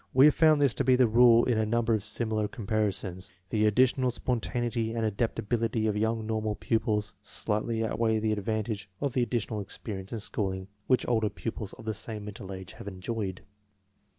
We have found this to be the rule in a number of similar comparisons. The additional spon taneity and adaptability of young normal pupils slightly outweigh the advantage of the additional experience and schooling which older pupils of the same mental age have enjoyed.